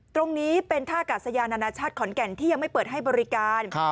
ตรงนี้เป็นท่ากาศยานานาชาติขอนแก่นที่ยังไม่เปิดให้บริการ